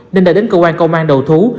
nên đã đến cơ quan công an đầu thú